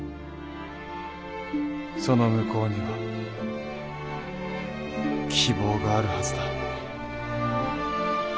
その向こうには希望があるはずだ。